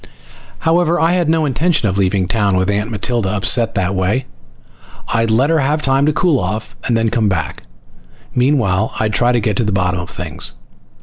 However, I had no intention of leaving town with Aunt Matilda upset that way. I'd let her have time to cool off, then come back. Meanwhile I'd try to get to the bottom of things.